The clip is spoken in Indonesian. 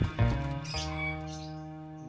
saya yang ditelepon